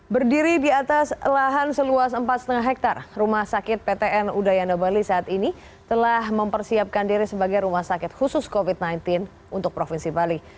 berdiri di atas lahan seluas empat lima hektare rumah sakit ptn udayana bali saat ini telah mempersiapkan diri sebagai rumah sakit khusus covid sembilan belas untuk provinsi bali